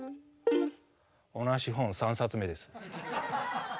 同じ本３冊目です。